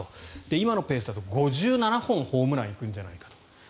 今のペースだと５７本ホームラン行くんじゃないかと。